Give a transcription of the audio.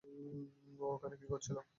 ও ওখানে কী করছিল?